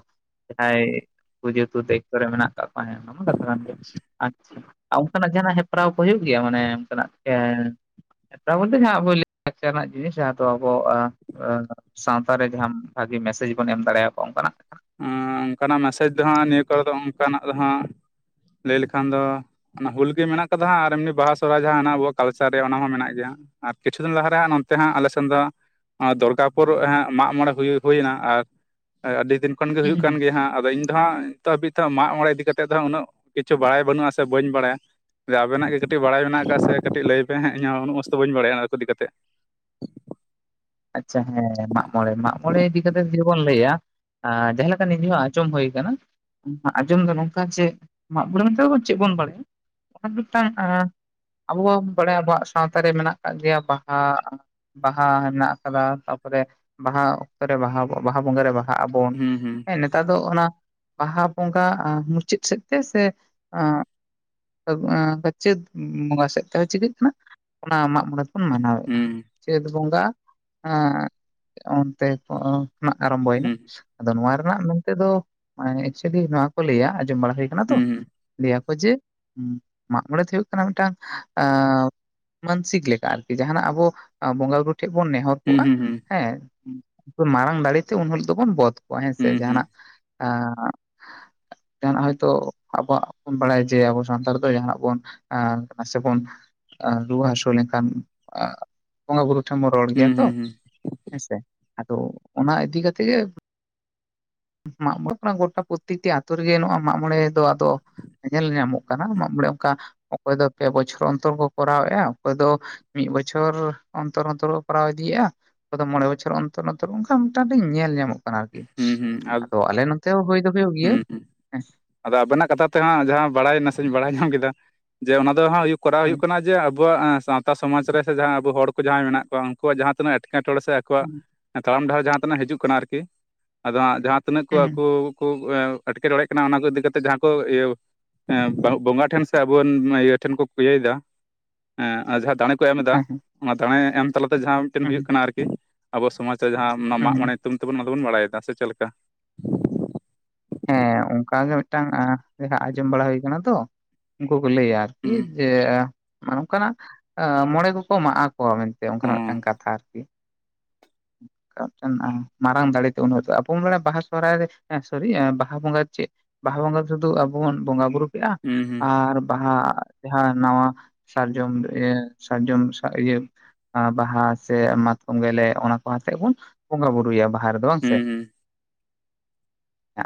S1: ᱡᱟᱦᱟᱸᱭ ᱡᱮ ᱛᱩ ᱫᱟᱭᱤᱠᱛᱚ ᱨᱮ ᱢᱮᱱᱟᱜ ᱠᱟᱜ ᱠᱚᱣᱟ ᱚᱱᱟᱢᱟ ᱠᱟᱛᱷᱟ ᱠᱟᱱ ᱜᱮᱭᱟ ᱟᱪᱪᱼᱼ ᱟ ᱚᱱᱠᱟᱱᱟᱜ ᱡᱟᱦᱟᱸᱱᱟᱜ ᱦᱮᱯᱨᱟᱣ ᱠᱚ ᱦᱩᱭᱩᱜ ᱜᱮᱭᱟ ᱢᱟᱱᱮ ᱚᱱᱠᱟᱱᱟᱜ ᱮᱸ ᱻ ᱦᱮᱯᱨᱟᱣ ᱵᱚᱞᱛᱮ ᱡᱟᱦᱟᱸ ᱟᱵᱚ ᱞᱟᱠᱪᱟᱨ ᱨᱮᱱᱟᱜ ᱡᱤᱱᱤᱥ ᱡᱟᱦᱟᱸ ᱫᱚ ᱟᱵᱚ [unintelligible] ᱣᱛᱟᱨᱮ ᱨᱮ ᱡᱟᱦᱟᱸ ᱵᱷᱟᱹᱜᱤ ᱢᱮᱥᱮᱡᱽ ᱵᱚᱱ ᱮᱢ ᱫᱟᱲᱮ ᱭᱟᱠᱚᱣᱟ ᱚᱱᱠᱟᱱᱟᱜ᱾
S2: ᱚᱺ ᱚᱱᱠᱟᱱᱟᱜ ᱢᱮᱥᱮᱡᱽ ᱫᱚ ᱦᱟᱸᱜ ᱱᱤᱭᱟᱹ ᱠᱚᱨᱮ ᱫᱚ ᱚᱱᱠᱟᱱᱟᱜ ᱫᱚ ᱦᱟᱸᱜ ᱞᱟᱹᱭ ᱞᱮᱠᱷᱟᱱ ᱫᱚᱼᱼ ᱚᱱᱟ ᱦᱩᱞ ᱜᱮ ᱢᱮᱱᱟᱜ ᱠᱟᱫᱟ ᱟᱨ ᱮᱢᱱᱤ ᱵᱟᱦᱟ ᱥᱚᱦᱚ ᱨᱟᱭ ᱡᱟᱦᱟᱸ ᱦᱮᱱᱟᱜ ᱟᱵᱚᱣᱟᱜ ᱠᱟᱞᱪᱟᱨ ᱨᱮ ᱚᱱᱟ ᱦᱚᱸ ᱢᱮᱱᱟᱜ ᱜᱮᱭᱟ᱾ ᱟᱨ ᱠᱤᱪᱷᱩ ᱫᱤᱱ ᱞᱟᱦᱟ ᱨᱮ ᱦᱟᱸᱜ ᱱᱚᱱᱛᱮ ᱦᱟᱸᱜ ᱟᱞᱮ ᱥᱮᱱ ᱫᱚᱼᱼ ᱚ ᱫᱚᱨᱜᱟᱯᱩᱨ ᱢᱟᱜᱢᱚᱬᱮ ᱦᱩᱭ ᱦᱩᱭᱱᱟ ᱟᱨ ᱟᱹᱰᱤ ᱫᱤᱱᱼᱼ ᱠᱷᱚᱱ ᱜᱮ ᱦᱩᱭᱩᱜ ᱠᱟᱱ ᱜᱮᱭᱟ ᱦᱟᱸᱜ ᱟᱫᱚ ᱤᱧᱼᱼ ᱱᱤᱛ ᱫᱚ ᱦᱟᱸᱜ ᱱᱤᱛᱚᱜ ᱦᱟᱵᱤᱡ ᱛᱮ ᱢᱟᱜ-ᱢᱚᱬᱮ ᱤᱫᱤ ᱠᱟᱛᱮᱜ ᱫᱚ ᱦᱟᱜ ᱩᱱᱟᱹᱜ ᱠᱤᱪᱷᱩ ᱵᱟᱲᱟᱭ ᱵᱟᱹᱱᱩᱜ-ᱟ ᱥᱮ ᱵᱟᱹᱧ ᱵᱟᱲᱟᱭᱟ᱾ ᱟᱵᱮ ᱱᱟᱜ ᱜᱮ ᱠᱟᱹᱴᱤᱡ ᱵᱟᱲᱟᱭ ᱢᱮᱱᱟᱜ ᱠᱟᱜ ᱥᱮ ᱠᱟᱹᱴᱤᱡ ᱞᱟᱹᱭ ᱯᱮ ᱤᱧ ᱦᱚ ᱩᱱᱟᱹᱜ ᱢᱚᱡ ᱛᱮ ᱵᱟᱹᱧ ᱵᱟᱲᱟᱭᱟ ᱚᱱᱟ ᱠᱚ ᱤᱫᱤ ᱠᱟᱛᱮᱜᱼᱼ
S1: ᱟᱪᱪᱷᱟ ᱦᱮᱸ ᱢᱟᱜ ᱢᱚᱬᱮ ᱢᱟᱜ ᱢᱚᱬᱮ ᱤᱫᱤ ᱠᱟᱛᱮ ᱡᱩᱫᱤ ᱵᱚᱱ ᱞᱟᱹᱭᱟ ᱡᱟᱦᱟᱸ ᱞᱮᱠᱟ ᱱᱤᱡᱮ ᱦᱚᱸ ᱟᱸᱡᱚᱢ ᱦᱩᱭ ᱟᱠᱟᱱᱟ ᱟᱸᱡᱚᱢ ᱫᱚ ᱱᱚᱝᱠᱟ ᱡᱮ ᱢᱟᱜ ᱵᱚᱬᱮ ᱢᱮᱱᱛᱮᱫ ᱪᱮᱫ ᱵᱚᱱ ᱵᱟᱲᱟᱭᱟ ᱚᱱᱟ ᱢᱤᱫ ᱴᱟᱱ ᱟᱵᱚ ᱵᱟᱲᱟᱭᱟ ᱟᱵᱚᱣᱟᱜ ᱥᱟᱶᱛᱟ ᱨᱮ ᱢᱮᱱᱟᱜ ᱟᱠᱟᱫ ᱜᱮ ᱭᱟ ᱵᱟᱦᱟ ᱵᱟᱦᱟ ᱦᱮᱱᱟᱜ ᱛᱟᱯᱚ ᱨᱮ ᱵᱟᱦᱟ ᱚᱠᱛᱚ ᱨᱮ ᱵᱟᱦᱟ ᱵᱟᱦᱟ ᱵᱚᱸᱜᱟ ᱨᱮ ᱵᱟᱦᱟᱜ ᱟᱵᱚᱱ
S2: ᱦᱩᱸ ᱦᱩᱸ
S1: ᱦᱮ ᱱᱮᱛᱟᱨ ᱫᱚ ᱚᱱᱟ ᱵᱟᱦᱟ ᱵᱚᱸᱜᱟ ᱢᱩᱪᱟᱹᱫ ᱥᱮᱫ ᱛᱮ ᱥᱮ ᱪᱟᱹᱛ ᱵᱚᱸᱜᱟ ᱥᱮᱫ ᱛᱮ ᱦᱚᱸ ᱪᱤᱠᱟᱹᱜ ᱠᱟᱱᱟ ᱚᱱᱟ ᱢᱟᱜ ᱢᱚᱬᱮ ᱵᱚᱱ ᱢᱟᱱᱟᱣᱮᱫᱼᱟ
S2: ᱦᱩᱸ
S1: ᱪᱟᱹᱛ ᱵᱚᱸᱜᱟ ᱚᱱ ᱛᱮ ᱟᱨᱟᱢ ᱵᱟᱭᱱᱟ
S2: ᱦᱩᱸ
S1: ᱟᱫᱚ ᱱᱚᱣᱟ ᱨᱮᱱᱟᱜ ᱢᱮᱱᱛᱮ ᱫᱚ ᱮᱠᱪᱮᱞᱤ ᱱᱚᱣᱟ ᱠᱚ ᱞᱟᱹᱭ-ᱟ ᱟᱸᱡᱚᱢ ᱵᱟᱲᱟ ᱦᱩᱭ ᱠᱟᱱᱟ ᱛᱚ
S2: ᱦᱩᱸ
S1: ᱞᱟᱹᱭ ᱟᱠᱚ ᱡᱮ ᱢᱟᱜᱢᱚᱬᱮ ᱫᱚ ᱦᱩᱭᱩᱜ ᱠᱟᱱᱟ ᱢᱤᱫ ᱴᱟᱝ ᱢᱟᱱᱥᱤᱠ ᱞᱮᱠᱟ ᱟᱨᱠᱤ ᱡᱟᱦᱟ ᱱᱟᱜ ᱟᱵᱚ ᱵᱚᱸᱜᱟ ᱵᱩᱨᱩ ᱴᱷᱮᱡ ᱵᱚᱱ ᱱᱮᱦᱚᱨ
S2: ᱦᱩᱸ
S1: ᱠᱚᱜᱼᱟ
S2: ᱦᱩᱸ ᱦᱩᱸ
S1: ᱦᱮᱸ ᱢᱟᱨᱟᱝ ᱫᱟᱲᱮ ᱛᱮ ᱩᱱ ᱦᱤᱞ ᱫᱚᱵᱚᱱ ᱵᱚᱫᱷ ᱦᱮᱸ ᱥᱮ
S2: ᱦᱩᱸ
S1: ᱡᱟᱦᱟ
S2: ᱦᱩᱸ
S1: ᱱᱟᱜ ᱡᱟᱦ ᱱᱟᱜ ᱦᱚᱭ ᱛᱚ ᱟᱵᱚ ᱣᱟᱜ ᱵᱚᱱ ᱵᱟᱲᱟ ᱭᱟ ᱡᱮ ᱟᱵᱚ ᱥᱟᱱᱛᱟᱲ ᱫᱚ ᱡᱟᱦᱟ ᱱᱟᱜ ᱵᱚᱱ ᱥᱮ ᱵᱚᱱ ᱨᱩᱣᱟᱹ ᱦᱟᱹᱥᱩ ᱞᱮᱱ ᱠᱷᱟᱱ ᱵᱚᱸᱜᱟ ᱵᱩᱨᱩ ᱨᱚᱲ
S2: ᱦᱩᱸ
S1: ᱜᱮᱭᱟ ᱛᱚ
S2: ᱦᱩᱸ
S1: ᱦᱮᱸ ᱥᱮ ᱟᱫᱚ ᱚᱱᱟ ᱤᱫᱤ ᱠᱟᱛᱮ ᱜᱮ ᱢᱟᱜᱢᱚᱬᱮ ᱫᱚ ᱜᱚᱴᱟ ᱯᱨᱚᱛᱮᱠᱴᱤ ᱟᱛᱳ ᱨᱮᱜᱮ ᱱᱚᱼᱟ ᱢᱟᱜ ᱢᱚᱬᱮ ᱫᱚ ᱟᱫᱚ ᱧᱮᱞ ᱧᱟᱢᱚᱜ ᱠᱟᱱᱟ ᱢᱟᱜ ᱢᱬᱮ ᱚᱱᱠᱟ ᱚᱠᱚᱭ ᱫᱚ ᱯᱮ ᱵᱚᱪᱷᱚᱨ ᱚᱱᱛᱚᱨ ᱠᱚ ᱠᱚᱨᱟᱣ ᱮᱼᱟ ᱚᱠᱚᱭ ᱫᱚ ᱢᱤᱫ ᱵᱚᱪᱷᱚᱨ ᱚᱱ ᱚᱱᱛᱚᱨ ᱚᱱᱛᱚᱨ ᱠᱚᱨᱟᱣ ᱤᱫᱤᱭᱮᱫ ᱚᱠᱭ ᱫᱚ ᱢᱬᱮ ᱵᱚᱪᱷᱚᱨ ᱚᱱᱛᱚᱨ ᱚᱱᱛᱚᱨ ᱚᱱᱠᱟ ᱢᱚᱴᱟ ᱢᱳᱴᱤ ᱧᱮᱞ ᱧᱟᱢᱚᱜ ᱠᱟᱱᱟ ᱟᱨᱠᱤ
S2: ᱦᱩᱸ ᱦᱩᱸ ᱟᱨ
S1: ᱟᱫᱚ ᱟᱞᱮ ᱱᱚᱛᱮ ᱦᱩᱭ ᱫᱚ ᱦᱩᱭᱩᱜ ᱜᱮᱭᱟ
S2: ᱦᱩᱸ ᱦᱩᱸ
S1: ᱦᱮᱸ
S2: ᱟᱫᱚ ᱟᱵᱮᱱᱟᱜ ᱠᱟᱛᱷᱟ ᱛᱮᱦᱟᱸᱜ ᱡᱟᱦᱟᱸ ᱵᱟᱲᱟᱭ ᱱᱟᱥᱮᱧ ᱵᱟᱲᱟᱭ ᱧᱟᱢ ᱠᱮᱫᱟ ᱡᱮ ᱚᱱᱟ ᱫᱚ ᱦᱟᱸᱜᱩ ᱠᱚᱨᱟᱣ ᱦᱩᱭᱩᱜ ᱠᱟᱱᱟ ᱡᱮ ᱟᱵᱚᱣᱟᱜ ᱥᱟᱶ ᱥᱟᱶᱛᱟ ᱥᱚᱢᱟᱡᱽ ᱨᱮ ᱥᱮ ᱡᱟᱦᱟᱸᱭ ᱟᱵᱚ ᱦᱚᱲ ᱠᱚ ᱡᱟᱦᱟᱸᱭ ᱢᱮᱱᱟᱜ ᱠᱚᱣᱟ ᱩᱱᱠᱩᱣᱟᱜ ᱡᱟᱦᱟᱸ ᱛᱤᱱᱟᱹᱜ ᱮᱸᱴᱠᱮᱴᱚᱬᱮ ᱥᱮ ᱟᱠᱚᱣᱟᱜ
S1: ᱦᱮᱸ
S2: ᱛᱟᱲᱟᱢ ᱰᱟᱦᱟᱨ ᱡᱟᱦᱟᱸᱛᱤᱱᱟᱹᱜ ᱦᱤᱡᱩᱜ ᱠᱟᱱᱟ ᱟᱨᱠᱤ ᱟᱫᱚ ᱦᱟᱸᱜ ᱡᱟᱦᱟᱸ ᱛᱤᱱᱟᱹᱜ ᱠᱚ
S1: ᱦᱮᱸ ᱦᱮᱸ
S2: ᱟᱠᱚ ᱮᱸᱴᱠᱮᱴᱚᱲᱮᱜ ᱠᱟᱱᱟ ᱚᱱᱟ ᱠᱚ ᱤᱫᱤ ᱠᱟ ᱠᱟᱛᱮᱫ ᱡᱟᱦᱟᱸ ᱠᱚ ᱤᱭᱟᱹ ᱵᱚᱸᱜᱟ ᱴᱷᱮᱱ ᱥᱮ ᱟᱵᱚᱨᱮᱱ ᱤᱭᱟᱹ ᱴᱷᱮᱱ ᱠᱚ ᱤᱭᱟᱹᱭᱟ ᱟᱨ ᱡᱟᱦᱟᱸ ᱫᱟᱲᱮ ᱠᱚ ᱮᱢ ᱮᱫᱟ
S1: ᱦᱮᱸ ᱦᱮᱸ
S2: ᱚᱱᱟ ᱫᱟᱲᱮ ᱮᱢ ᱛᱟᱞᱟᱛᱮ ᱡᱟᱦᱟᱸ ᱢᱤᱫᱴᱮᱱ
S1: ᱦᱮᱸ
S2: ᱦᱩᱭᱩᱜ ᱠᱟᱱᱟ ᱟᱨᱠᱤ ᱟᱵᱚ ᱥᱚᱢᱟᱡᱽ ᱨᱮ ᱡᱟᱦᱟᱸ ᱚᱱᱟ ᱢᱟᱜ
S1: ᱦᱮᱸ
S2: ᱢᱚᱬᱮ ᱧᱩᱛᱩᱢ ᱛᱮᱵᱚᱱ ᱚᱱᱟ ᱫᱚᱵᱚᱱ ᱵᱟᱲᱟᱭᱮᱫᱟ ᱥᱮ ᱪᱮᱫ ᱞᱮᱠᱟ
S1: ᱦᱮᱸ ᱚᱱᱠᱟ ᱜᱮ ᱢᱤᱫᱴᱟᱝ ᱡᱟᱦᱟᱸ ᱟᱸᱡᱚᱢ ᱵᱟᱲᱟ ᱦᱩᱭ ᱟᱠᱟᱱᱟ ᱛᱚ ᱩᱱᱠᱩ ᱠᱚ ᱞᱟᱹᱭᱟ ᱟᱨᱠᱤ
S2: ᱦᱩᱸ
S1: ᱡᱮ ᱚᱱᱠᱟᱱᱟᱜ ᱢᱚᱬᱮ ᱠᱚᱠᱚ ᱮᱢᱟᱜᱼᱟ ᱢᱮᱱᱛᱮ
S2: ᱚ
S1: ᱚᱱᱠᱟᱱᱟᱜ ᱢᱤᱫᱴᱟᱱ ᱠᱟᱛᱷᱟ ᱟᱨᱠᱤ ᱢᱟᱨᱟᱝ ᱫᱟᱲᱮᱛᱮ ᱩᱱᱚᱜᱼᱟ ᱟᱵᱚ ᱵᱚᱱᱮ ᱵᱟᱦᱟ ᱥᱚᱦᱦᱟᱭ ᱨᱮ ᱵᱟᱦᱟ ᱵᱚᱸᱜᱟ ᱪᱮᱫ ᱵᱟᱦᱟ ᱵᱚᱸᱜᱟ ᱥᱩᱫᱩ ᱟᱵᱚ ᱵᱚᱱ ᱵᱚᱸᱜᱟ ᱵᱩᱨᱩ ᱭᱟ
S2: ᱦᱩᱸ ᱦᱩᱸ
S1: ᱟᱨ ᱵᱟᱦᱟ ᱡᱟᱦᱟᱸ ᱱᱟᱣᱟ ᱥᱟᱨᱡᱚᱢ ᱤᱭᱟᱹ ᱥᱟᱨᱡᱚᱢ ᱤᱭᱟᱹ ᱵᱟᱦᱟ ᱥᱮ ᱢᱟᱛᱠᱚᱢ ᱜᱮᱞᱮ ᱚᱱᱟ ᱠᱚ ᱟᱛᱮᱮᱫ ᱵᱚᱱ ᱵᱚᱸᱜᱟ ᱵᱩᱨᱩᱭᱟ ᱵᱟᱦᱟ ᱨᱮᱫᱚ ᱵᱟᱝ ᱥᱮ
S2: ᱦᱩᱸ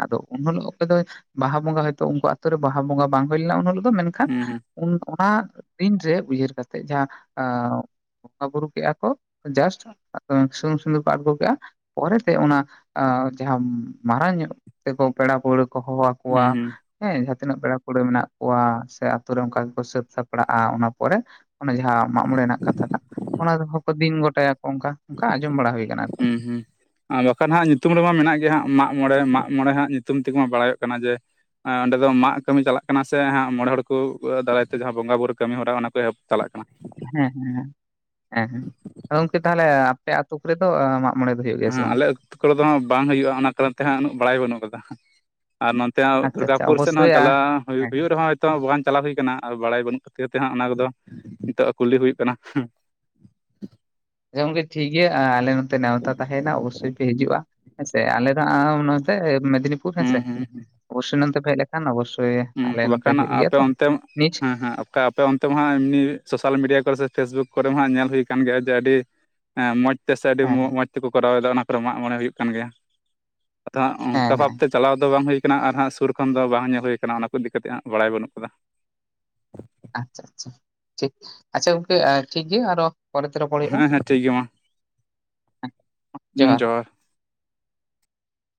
S1: ᱟᱫᱚ ᱩᱱ ᱦᱤᱞᱳᱜ ᱚᱠᱚᱭ ᱫᱚ ᱵᱟᱦᱟ ᱵᱚᱸᱜᱟ ᱦᱚᱳᱭᱛᱳ ᱩᱱᱠᱩ ᱟᱛᱳ ᱨᱮ ᱵᱟᱦᱟ ᱵᱚᱸᱜᱟ ᱵᱟᱝ ᱦᱩᱭ ᱞᱮᱱᱟ ᱩᱱ ᱦᱤᱞᱳᱜ ᱫᱚ ᱢᱮᱱᱠᱷᱟᱱ ᱚᱱᱟ ᱫᱤᱱᱨᱮ ᱩᱭᱦᱟᱹᱨ ᱠᱟᱛᱮᱜ ᱡᱟᱦᱟᱸ ᱵᱚᱸᱜᱟ ᱵᱩᱨᱩ ᱠᱮᱫᱮᱜᱼᱟ ᱠᱚ ᱡᱟᱥᱴ ᱥᱩᱱᱩᱢ ᱥᱤᱸᱫᱩᱨ ᱠᱚ ᱟᱬᱜᱚ ᱠᱮᱫᱼᱟ ᱯᱚᱨᱮᱛᱮ ᱚᱱᱟ ᱡᱟᱦᱟᱸ ᱢᱟᱨᱟᱝ ᱧᱚᱜ ᱥᱮᱠᱚ ᱯᱮᱲᱟ ᱯᱟᱹᱲᱦᱟᱹ ᱠᱚ ᱦᱚᱦᱚ ᱟᱠᱚᱣᱟ
S2: ᱦᱩᱸ
S1: ᱦᱮᱸ ᱡᱟᱦᱟᱸ ᱛᱤᱱᱟᱹᱜ ᱯᱮᱲᱟ ᱯᱟᱹᱲᱦᱟᱹ ᱢᱮᱱᱟᱜ ᱠᱚᱣᱟ ᱥᱮ ᱟᱛᱩᱨ ᱨᱮ ᱚᱱᱠᱟ ᱜᱮᱠᱚ ᱥᱟᱹᱛ ᱥᱟᱯᱲᱟᱜᱼᱟ ᱚᱱᱟ ᱯᱚᱨᱮ ᱚᱱᱟ ᱡᱟᱦᱟᱸ ᱢᱟᱜᱢᱚᱬᱮ ᱨᱮᱱᱟᱜ ᱠᱟᱛᱷᱟ ᱴᱟ ᱚᱱᱟᱦᱚᱸ ᱠᱚ ᱫᱤᱱ ᱜᱚᱴᱟᱭᱟᱠᱚ ᱚᱱᱠᱟ ᱚᱱᱠᱟ ᱟᱸᱡᱚᱢ ᱵᱟᱲᱟ ᱦᱩᱭᱩᱜᱼᱟ
S2: ᱦᱮᱸ ᱦᱩᱸ ᱵᱟᱠᱷᱟᱱ ᱦᱟᱸᱜ ᱧᱩᱛᱩᱢ ᱨᱮᱢᱟ ᱢᱮᱱᱟᱜ ᱜᱮᱭᱟ ᱦᱟᱸᱜ ᱢᱟᱜ ᱢᱚᱬᱮ ᱢᱟᱜ ᱢᱚᱬᱮ ᱦᱟᱸᱟᱜ ᱧᱩᱛᱩᱢ ᱛᱮᱜᱮᱢᱟ ᱵᱟᱲᱟᱭᱚᱜ ᱠᱟᱱᱟ ᱡᱮ ᱚᱸᱰᱮ ᱫᱚ ᱢᱟᱜ ᱠᱟᱹᱢᱤ ᱪᱟᱞᱟᱜ ᱠᱟᱱᱟ ᱥᱮ ᱦᱟᱸᱜ ᱢᱚᱬᱮ ᱦᱚᱲ ᱠᱚ ᱫᱟᱨᱟᱭ ᱛᱮ ᱡᱟᱦᱟᱸ ᱵᱚᱸᱜᱟ ᱵᱩᱨᱩᱳ ᱠᱟᱹᱢᱤ ᱦᱚᱨᱟ ᱚᱱᱟ ᱠᱚ ᱮᱯ ᱪᱟᱞᱟᱜ ᱠᱟᱱᱟ
S1: ᱦᱮᱸ ᱦᱮᱸ ᱦᱮᱸ ᱦᱮᱸ ᱟ ᱜᱚᱢᱠᱮ ᱛᱟᱦᱚᱞᱮ ᱟᱯᱮ ᱟᱛ ᱠᱚᱨᱮ ᱫᱚ ᱢᱟᱜ ᱢᱚᱬᱮ ᱫᱚ ᱦᱩᱭᱩᱜ ᱜᱮᱭᱟ ᱥᱮ
S2: ᱦᱮᱸ
S1: ᱵᱟᱝ
S2: ᱟᱞᱮ ᱟᱹᱛᱩ ᱠᱚᱨᱮ ᱫᱚ ᱦᱟᱜ ᱵᱟᱝ ᱦᱩᱭᱩᱜᱼᱟ ᱚᱱᱟ ᱠᱟᱨᱚᱱ ᱛᱮ ᱦᱟᱸᱜ ᱩᱱᱟᱹᱜ ᱵᱟᱲᱟᱭ ᱵᱟᱹᱱᱩᱜ ᱠᱟᱫᱟ ᱟᱨ
S1: ᱟᱪᱪᱷᱟ ᱟᱪᱪᱷᱟ
S2: ᱫᱩᱨᱜᱟᱯᱩᱨ ᱥᱮᱫ
S1: ᱚᱵᱚᱥᱥᱳᱭ
S2: ᱦᱚᱸ
S1: ᱟ
S2: ᱪᱟᱞᱟᱣ
S1: ᱦᱮᱸ
S2: ᱦᱩᱭᱩᱜ ᱨᱮᱦᱚᱸ ᱱᱤᱛᱚᱜ ᱵᱟᱜᱟᱱ ᱪᱟᱞᱟᱣ ᱦᱩᱭ ᱠᱟᱱᱟ ᱟᱨ ᱵᱟᱲᱟᱭ ᱵᱟᱹᱱᱩᱜ ᱠᱷᱟᱹᱛᱤᱨ ᱛᱮᱦᱟᱸᱜ ᱚᱱᱟ ᱠᱚᱫᱚ ᱱᱤᱛᱚᱜ ᱠᱩᱞᱤ ᱦᱩᱭᱩᱜ ᱠᱟᱱᱟ
S1: ᱦᱮ ᱜᱚᱝᱠᱮ ᱴᱷᱤᱠ ᱜᱮᱭᱟ ᱟᱞᱮ ᱱᱚᱛᱮ ᱱᱮᱣᱛᱟ ᱛᱟᱦᱮᱭᱱᱟ ᱚᱵᱚ ᱥᱳᱭ ᱯᱮ ᱦᱤᱡᱩᱜᱼᱟ ᱦᱮᱸᱥᱮ ᱟᱞᱮ ᱫᱚ ᱱᱚᱛᱮ ᱢᱮᱫᱽᱱᱤᱯᱩᱨ ᱦᱮᱸᱥᱮ
S2: ᱦᱩᱸ ᱦᱩᱸ
S1: ᱚᱵᱳ ᱥᱳᱭ ᱱᱚᱱᱛᱮ ᱠᱷᱟᱱ ᱚᱵᱚᱥᱥᱳᱭ
S2: ᱦᱩᱸ
S1: ᱟᱞᱮᱱᱛᱮ
S2: ᱵᱟᱠᱷᱟᱱ
S1: ᱦᱩᱭᱩᱜ ᱜᱮᱭᱟ
S2: ᱟᱯᱮ
S1: ᱛᱚ
S2: ᱚᱱᱛᱮ ᱦᱮᱸ
S1: ᱱᱤᱪ
S2: ᱦᱮᱸ ᱚᱠᱟ ᱟᱯᱮ ᱚᱱᱛᱮ ᱢᱟ ᱦᱟᱸᱜ ᱮᱢᱱᱤ ᱥᱳᱥᱟᱞ ᱢᱤᱰᱤᱭᱟ ᱠᱚᱨᱮ ᱥᱮ ᱯᱷᱮᱥᱵᱩᱠ ᱠᱚᱨᱮ ᱦᱟᱸᱜ ᱧᱮᱞ ᱦᱩᱭᱩᱠᱟᱱ ᱜᱮᱭᱟ ᱡᱮ ᱟᱹᱰᱤ ᱦᱮᱸ ᱢᱚᱸᱡ ᱛᱮᱥᱮ ᱟᱹᱰᱤ
S1: ᱦᱮᱸ
S2: ᱢᱚᱸᱡ ᱛᱮᱠᱚ ᱠᱚᱨᱟᱣᱮ ᱫᱟ ᱚᱱᱟ ᱠᱚᱨᱮ ᱢᱟᱜ ᱢᱚᱬᱮ ᱦᱩᱭᱩᱜ ᱠᱟᱱ ᱜᱮᱭᱟ ᱟᱫᱚ ᱦᱟᱸᱜ
S1: ᱦᱮᱸ
S2: ᱚᱝᱠᱟ
S1: ᱦᱮᱸ
S2: ᱵᱷᱟᱵᱽᱛᱮ ᱪᱟᱞᱟᱣ ᱫᱚ ᱵᱟᱝ ᱦᱩᱭ ᱠᱟᱱᱟ ᱟᱨ ᱦᱟᱸᱜ ᱥᱩᱨ ᱠᱷᱚᱱ ᱫᱚ ᱵᱟᱝ ᱧᱮᱞ ᱦᱩᱭ ᱠᱟᱱᱟ ᱠᱟᱱᱟ ᱚᱱᱟ ᱠᱚ ᱤᱫᱤ ᱠᱟᱛᱮᱫ ᱦᱟᱸᱜ ᱵᱟᱲᱟᱭ ᱵᱟᱹᱱᱩᱜ ᱠᱟᱫᱟ
S1: ᱟᱪᱪᱷᱟ ᱟᱪᱪᱷᱟ ᱴᱷᱤᱠ ᱟᱪᱪᱷᱟ ᱜᱟᱝᱠᱮ ᱴᱷᱤᱠ ᱜᱮᱭᱟ ᱟᱨᱚ ᱯᱚᱨᱮ ᱛᱮ ᱨᱚᱯᱚᱲ ᱦᱩᱭᱩᱜᱼᱟ
S2: ᱦᱮᱸ ᱦᱮᱸ ᱴᱷᱤᱠ ᱦᱩᱸ ᱡᱚᱦᱟᱨ